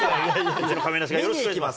うちの亀梨がよろしくお願いします。